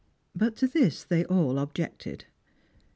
But to this they all objected.